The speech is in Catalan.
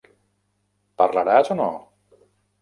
Parlaràs o no?